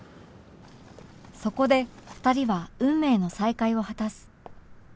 そこで２人は運命の再会を果たす